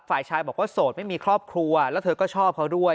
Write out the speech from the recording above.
ฝ่ายชายบอกว่าโสดไม่มีครอบครัวแล้วเธอก็ชอบเขาด้วย